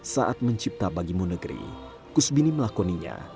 saat mencipta bagimu negeri kusbini melakoninya